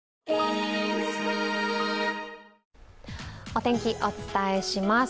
お天気、お伝えします。